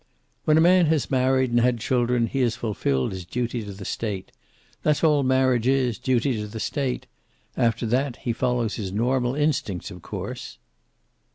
"When a man has married, and had children, he has fulfilled his duty to the State. That's all marriage is duty to the State. After that he follows his normal instincts, of course."